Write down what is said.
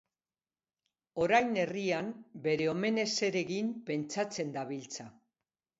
Orain herrian bere omenez zer egin pentsatzen dabiltza.